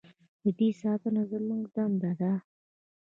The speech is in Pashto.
د دې ساتنه زموږ دنده ده